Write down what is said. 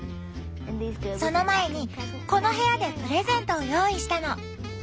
その前にこの部屋でプレゼントを用意したの。